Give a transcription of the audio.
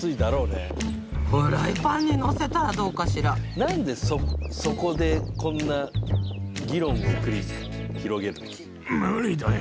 何でそこでこんな議論を繰り広げるの？